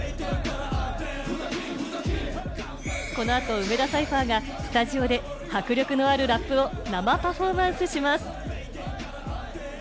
この後、梅田サイファーがスタジオで迫力のあるラップを生パフォーマンスします！